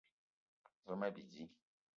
Ve ma bidi